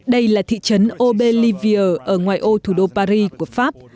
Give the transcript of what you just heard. đây là thị trấn aubervilliers ở ngoài ô thủ đô paris của pháp